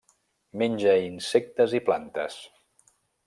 Menja insectes i plantes.